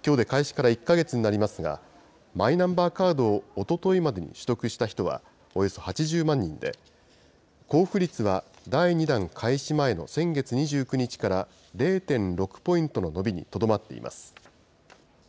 きょうで開始から１か月になりますが、マイナンバーカードをおとといまでに取得した人はおよそ８０万人で、交付率は第２弾開始前の先月２９日から０．６ポイントの伸びにとどまっています。